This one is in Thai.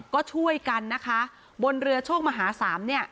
ก็ช่วยกันนะคะบนเรือโชคมหาสามเนี่ย